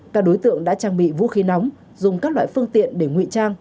các đối tượng đã trang bị vũ khí nóng dùng các loại phương tiện để ngụy trang